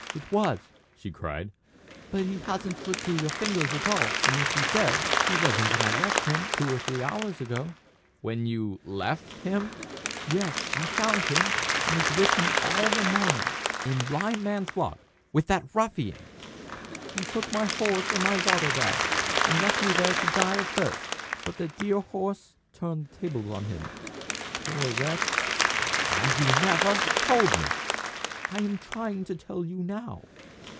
"It was," she cried; "but he hasn't slipped through your fingers at all, unless he's dead. He wasn't when I left him two or three hours ago." "When you left him?" "Yes, I found him, and was with him all the morning." "In Blind Man's Block with that ruffian?" "He took my horse and my water bag, and left me there to die of thirst; but the dear horse turned the tables on him poor wretch!" "And you never told me!" "I am trying to tell you now."